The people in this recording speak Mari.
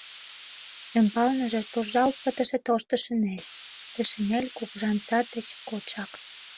Ӱмбалныже туржалт пытыше тошто шинель; ты шинель кугыжан сар деч кодшак.